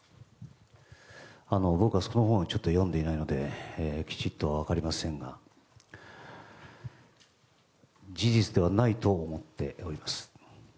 僕はその本を読んでいないのできちんとは分かりませんが事実ではないと思っております。